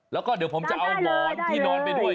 แล้วก็เดี๋ยวผมจะเอาหมอนที่นอนไปด้วย